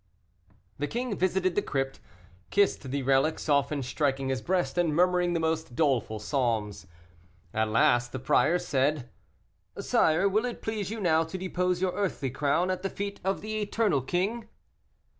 The king visited the crypt, kissed the relics often striking his breast, and murmuring the most doleful psalms. At last the prior said, "Sire, will it please you now to depose your earthly crown at the feet of the eternal king?"